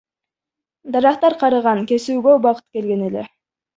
Дарактар карыган, кесүүгө убакыт келген эле.